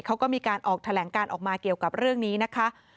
เขาก็มีการออกแถลงการออกมาเกี่ยวกับเรื่องนี้นะคะ